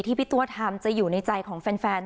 พี่ตัวทำจะอยู่ในใจของแฟน